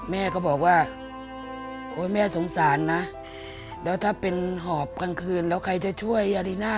หอบกลางคืนแล้วใครจะช่วยยาริน่า